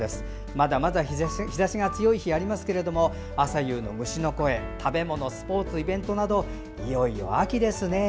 まだまだ日ざしが強い日がありますが朝夕の虫の声や食べ物スポーツ、イベントなどいよいよ秋ですね。